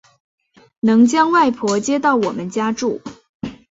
能将外婆接到我们家住